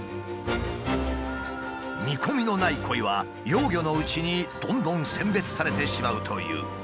見込みのないコイは幼魚のうちにどんどん選別されてしまうという。